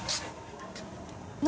何？